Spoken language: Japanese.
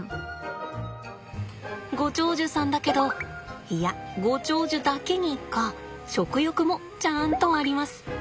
ご長寿さんだけどいやご長寿だけにか食欲もちゃんとあります。